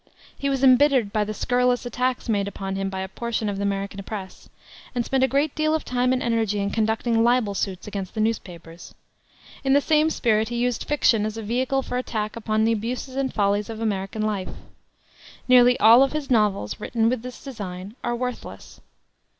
He was embittered by the scurrilous attacks made upon him by a portion of the American press, and spent a great deal of time and energy in conducting libel suits against the newspapers. In the same spirit he used fiction as a vehicle for attack upon the abuses and follies of American life. Nearly all of his novels, written with this design, are worthless.